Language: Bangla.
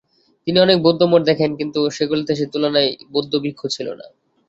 তিনি অনেক বৌদ্ধ মঠ দেখেন কিন্তু সেগুলোতে সে তুলনায় বৌদ্ধ ভিক্ষু ছিল না।